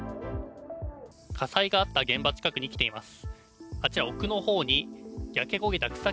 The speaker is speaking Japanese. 火災があった現場近くに来ています。